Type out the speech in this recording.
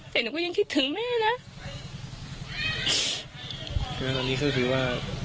แต่หนูก็ยังคิดถึงแม่นะ